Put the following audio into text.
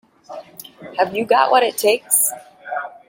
Have you got what it takes?